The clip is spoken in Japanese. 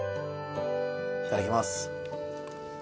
いただきます。